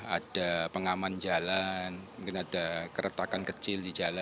ada pengaman jalan mungkin ada keretakan kecil di jalan